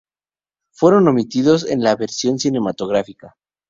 Fueron omitidos en la versión cinematográfica.